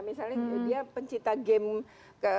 misalnya dia pencipta game